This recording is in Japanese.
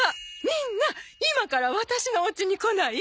みんな今からワタシのお家に来ない？